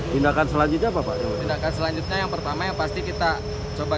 tindakan selanjutnya apa pak coba tindakan selanjutnya yang pertama yang pasti kita coba